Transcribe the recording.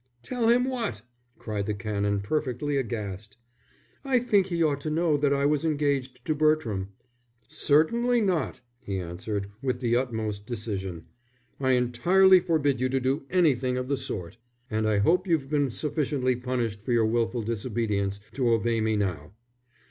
"Tell him what?" cried the Canon, perfectly aghast. "I think he ought to know that I was engaged to Bertram." "Certainly not," he answered, with the utmost decision. "I entirely forbid you to do anything of the sort, and I hope you've been sufficiently punished for your wilful disobedience to obey me now.